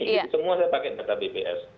itu semua saya pakai data bps